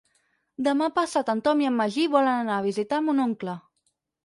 Demà passat en Tom i en Magí volen anar a visitar mon oncle.